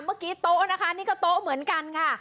เมื่อกี้โต๊ะนะคะนี่ก็โต๊ะเหมือนกันค่ะ